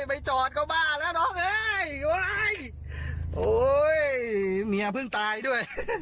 ไปจอดก็บ้าแล้วน้องเอ้ยโอ๊ยโอ้ยเมียเพิ่งตายด้วย